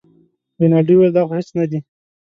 رینالډي وویل دا خو هېڅ نه دي.